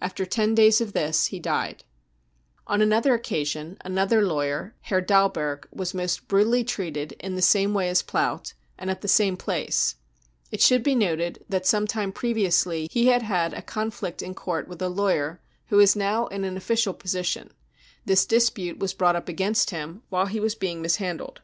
After ten days of this he died. j " On the same occasion another lawyer, Herr Dalberg, fvas most brutally treated in the same way as Plaut, and at \ 24O BROWN BOOK OF THE HITLER TERROR the same place. It should be noted that some time previ ously he had had a conflict in court with a lawyer who is now in an official position; this dispute was brought up against him while he was being mishandled.